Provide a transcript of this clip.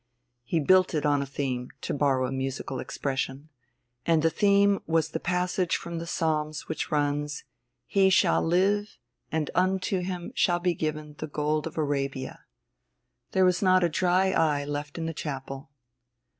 He built it on a theme, to borrow a musical expression. And the theme was the passage from the Psalms which runs: "He shall live, and unto him shall be given of the gold of Arabia." There was not a dry eye left in the chapel.